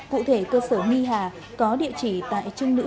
cụ thể cơ sở my hà có địa chỉ tại trung nguyên